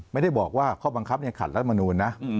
ไม่ได้บอกว่าข้อบังคับขัดรัฐมนูลนะ